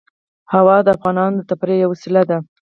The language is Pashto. هوا د افغانانو د تفریح یوه وسیله ده.